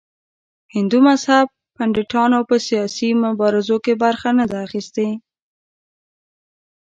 هندو مذهب پنډتانو په سیاسي مبارزو کې برخه نه ده اخیستې.